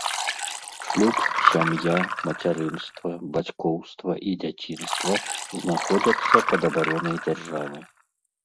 Шлюб, сям’я, мацярынства, бацькоўства і дзяцінства знаходзяцца пад абаронай дзяржавы.